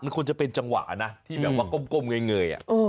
มันควรจะเป็นจังหวะนะที่แบบว่าก้มเงย